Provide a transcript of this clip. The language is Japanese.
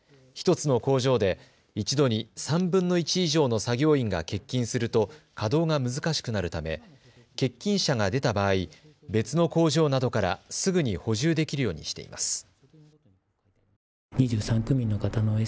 １つの工場で一度に３分の１以上の作業員が欠勤すると稼働が難しくなるため欠勤者が出た場合、別の工場などからすぐに補充できるようにしています。